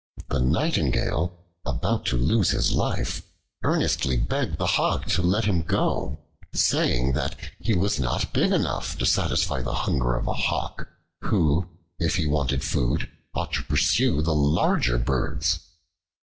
The Nightingale, about to lose his life, earnestly begged the Hawk to let him go, saying that he was not big enough to satisfy the hunger of a Hawk who, if he wanted food, ought to pursue the larger birds.